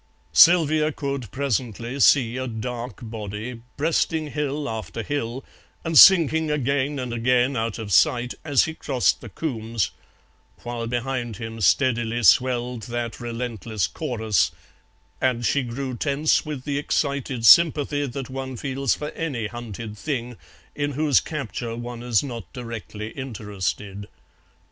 Sylvia could presently see a dark body, breasting hill after hill, and sinking again and again out of sight as he crossed the combes, while behind him steadily swelled that relentless chorus, and she grew tense with the excited sympathy that one feels for any hunted thing in whose capture one is not directly interested.